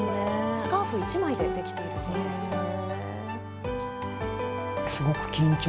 スカーフ１枚でできているそうですよ。